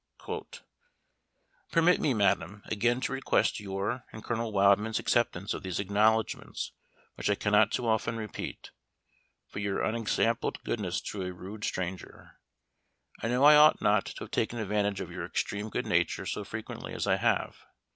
"Permit me, madame, again to request your and Colonel Wildman's acceptance of these acknowledgments which I cannot too often repeat, for your unexampled goodness to a rude stranger. I know I ought not to have taken advantage of your extreme good nature so frequently as I have.